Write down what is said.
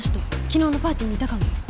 昨日のパーティーにいたかも。